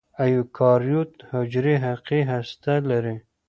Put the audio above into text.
ایوکاریوت حجرې حقیقي هسته لري.